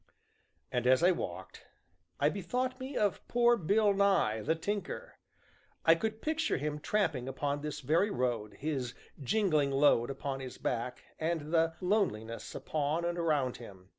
And, as I walked, I bethought me of poor Bill Nye, the Tinker. I could picture him tramping upon this very road, his jingling load upon his back, and the "loneliness" upon and around him.